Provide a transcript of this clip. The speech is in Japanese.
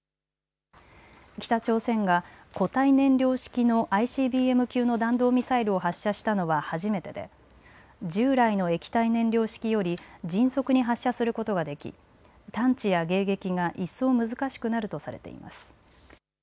北朝鮮が固体燃料式のＩＣＢＭ級の弾道ミサイルを発射したのは初めてで従来の液体燃料式より迅速に発射することができ探知や迎撃が一層、難しくなるとされています。